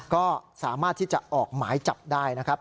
ก็สามารถที่จะออกหมายจับได้นะครับ